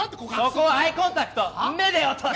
そこはアイコンタクト。